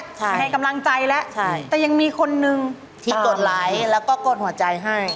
ไปให้กำลังใจแล้วใช่แต่ยังมีคนนึงที่กดไลค์แล้วก็กดหัวใจให้